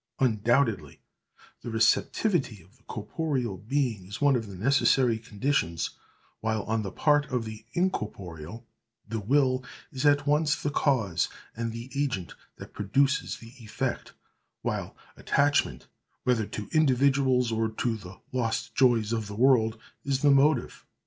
Undoubtedly, the receptivity of the corporeal being is one of the necessary conditions, while, on the part of the incorporeal, the will is at once the cause and the agent that produces the effect; while attachment, whether to individuals or to the lost joys of this world, is the motive.